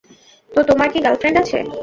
তো, তোমার কি গার্লফ্রেন্ড আছে?